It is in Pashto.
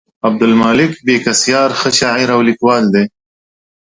عبدالمالک بېکسیار ښه شاعر او لیکوال دی.